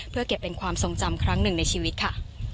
เพื่อเก็บเป็นความทรงจำครั้งหนึ่งในชีวิตค่ะ